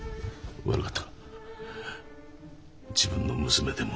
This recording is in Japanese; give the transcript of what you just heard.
悪かった。